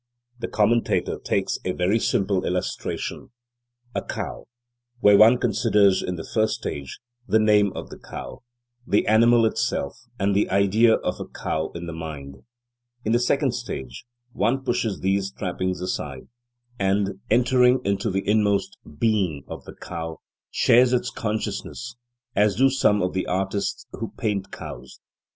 The commentator takes a very simple illustration: a cow, where one considers, in the first stage, the name of the cow, the animal itself and the idea of a cow in the mind. In the second stage, one pushes these trappings aside and, entering into the inmost being of the cow, shares its consciousness, as do some of the artists who paint cows.